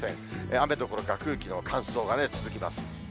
雨どころか、空気の乾燥が続きます。